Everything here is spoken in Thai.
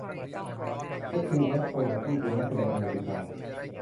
แมทธิวแม็กโคนากี้เป็นนักแสดงอเมริกา